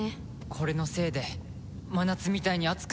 これのせいで真夏みたいに暑くなったのか。